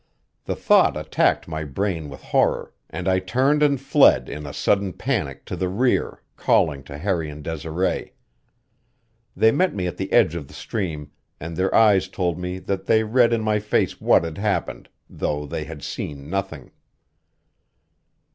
The thought attacked my brain with horror, and I turned and fled in a sudden panic to the rear, calling to Harry and Desiree. They met me at the edge of the stream, and their eyes told me that they read in my face what had happened, though they had seen nothing.